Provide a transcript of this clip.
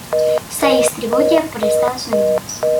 Se distribuye por Estados Unidos.